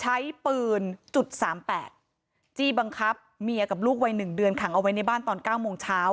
ใช้ปืนจุด๓๘จี้บังคับเมียกับลูกวัย๑เดือนขังเอาไว้ในบ้านตอน๙โมงเช้า